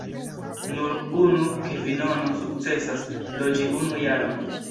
Nur unu kvinono sukcesas loĝi unu jaron.